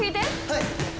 はい。